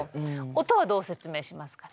音はどう説明しますかね？